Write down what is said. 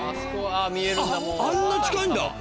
あっあんな近いんだ。